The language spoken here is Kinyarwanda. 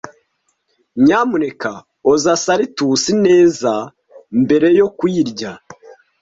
Nyamuneka oza salitusi neza mbere yo kuyirya.